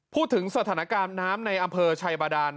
พูดถึงสถานการณ์น้ำในอำเภอชัยบาดาน